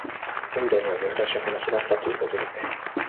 オイラには難しい話だったということで